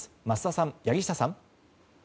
桝田さん、柳下さん。